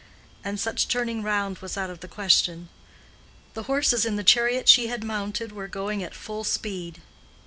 And such turning round was out of the question. The horses in the chariot she had mounted were going at full speed.